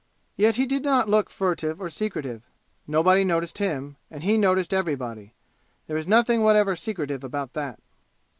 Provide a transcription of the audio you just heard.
Yet he did not look furtive or secretive. Nobody noticed him, and he noticed everybody. There is nothing whatever secretive about that.